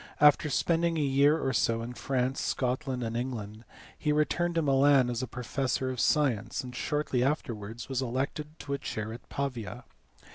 After spending a year or so in France, Scotland, and England, be returned to Milan as professor of science, and shortly afterwards was elected to a chair at Pavia.